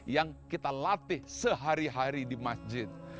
yang kita latih sehari hari di masjid